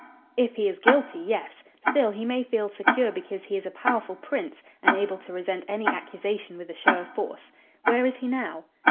"If he is guilty, yes. Still, he may feel secure because he is a powerful prince and able to resent any accusation with a show of force. Where is he now?"